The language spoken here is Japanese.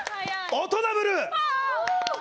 「オトナブルー」